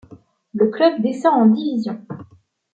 Le club descend en division.